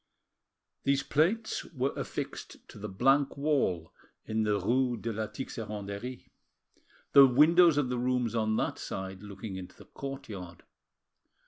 These plates were affixed to the blank wall in the rue de la Tixeranderie, the windows of the rooms on that side looking into the courtyard.